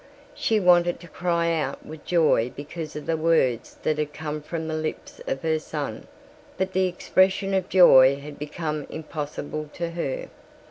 She wanted to cry out with joy because of the words that had come from the lips of her son, but the expression of joy had become impossible to her.